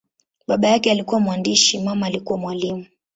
Baba yake alikuwa mwandishi, mama alikuwa mwalimu.